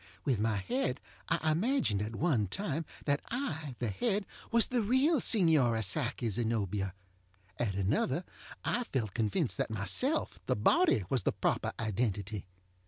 With my head I imagined, at one time, that I, the head, was the real Signora Psyche ZenobiaŌĆöat another I felt convinced that myself, the body, was the proper identity.